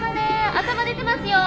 頭出てますよ。